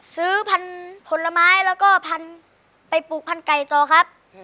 ซื้อพันธุ์ผลไม้แล้วก็พันธุ์ไปปลูกพันไก่ต่อครับ